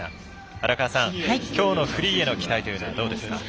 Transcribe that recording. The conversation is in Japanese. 荒川さん、きょうのフリーへの期待というのはどうですか？